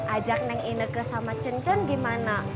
ajak neng ine ke sama cen cen gimana